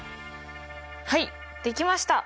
はいできました！